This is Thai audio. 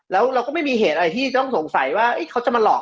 แล้วเราก็ไม่มีเหตุอะไรที่ต้องสงสัยว่าเขาจะมาหลอก